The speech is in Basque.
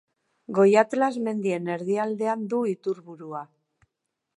Goi Atlas mendien erdialdean du iturburua.